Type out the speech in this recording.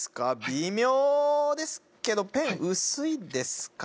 微妙ですけどペン薄いですか？